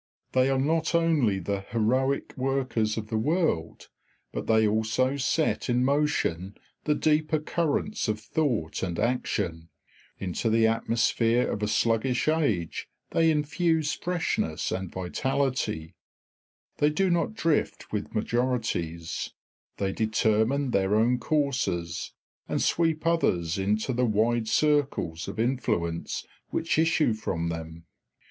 They are not only the heroic workers of the world, but they also set in motion the deeper currents of thought and action; into the atmosphere of a sluggish age they infuse freshness and vitality; they do not drift with majorities, they determine their own courses, and sweep others into the wide circles of influence which issue from them.